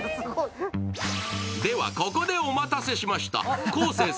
では、ここでお待たせしました。